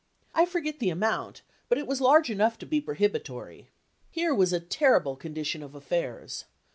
I forget the amount, but it was large enough to be prohibitory. Here was a terrible condition of affairs.